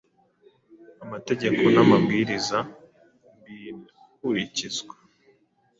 Amategeko n'amabwiriza birkurikizwa